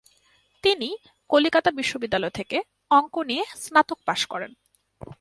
তিনি কলিকাতা বিশ্ববিদ্যালয় থেকে অঙ্ক নিয়ে স্নাতক পাশ করেন।